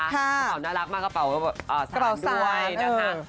กระเป๋าน่ารักมากกระเป๋าสะดาวด้วยนะคะ